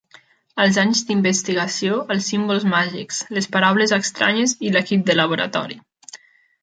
Els anys d'investigació, els símbols màgics, les paraules estranyes i l'equip de laboratori...